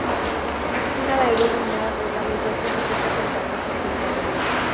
Una galería iluminada por grandes huecos se ajusta frente al corpus central.